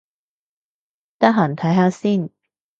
得閒睇下先